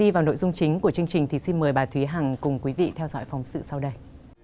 và thúy hằng cùng quý vị theo dõi phóng sự sau đây